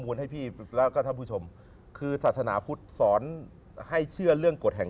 วิธีคิดกองเราอันนี้คือไม่เอา